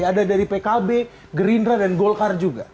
ada dari pkb gerindra dan golkar juga